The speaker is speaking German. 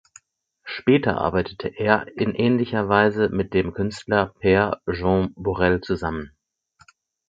Später arbeitete er in ähnlicher Weise mit dem Künstler Pere Jaume Borrell zusammen.